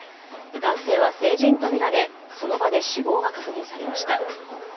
男性は成人とみられその場で死亡が確認されました。